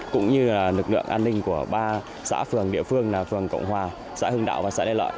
cũng như lực lượng an ninh của ba xã phường địa phương là phường cộng hòa xã hưng đạo và xã lê lợi